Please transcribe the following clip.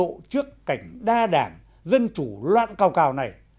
cảnh tỉnh cao độ trước cảnh đa đảng dân chủ loạn cao cao này